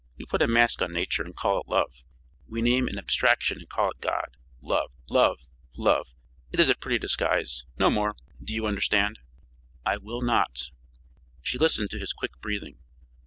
We put a mask on nature and call it love, we name an abstraction and call it God. Love! Love! Love! It is a pretty disguise no more. Do you understand?" "I will not." She listened to his quick breathing.